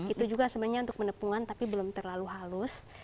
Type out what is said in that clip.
itu juga sebenarnya untuk menepungan tapi belum terlalu halus